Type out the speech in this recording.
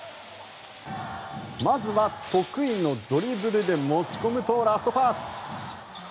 まずは得意のドリブルで持ち込むと、ラストパス！